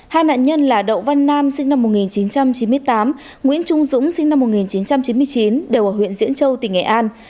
hai nạn nhân là đậu văn nam sinh năm một nghìn chín trăm chín mươi tám nguyễn trung dũng sinh năm một nghìn chín trăm chín mươi chín đều ở huyện diễn châu tỉnh nghệ an